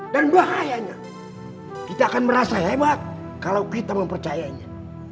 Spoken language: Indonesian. dan bahayanya kita akan merasa hebat kalau kita mempercayainya